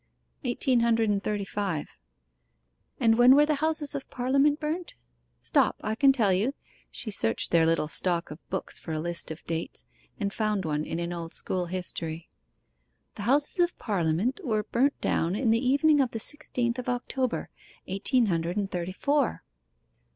'Eighteen hundred and thirty five.' 'And when were the Houses of Parliament burnt? stop, I can tell you.' She searched their little stock of books for a list of dates, and found one in an old school history. 'The Houses of Parliament were burnt down in the evening of the sixteenth of October, eighteen hundred and thirty four.